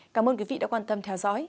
cảm ơn quý vị đã quan tâm theo dõi